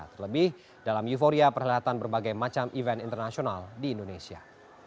terlebih dalam euforia perhelatan berbagai macam event internasional di indonesia